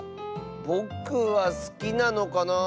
ぼくはすきなのかなあ。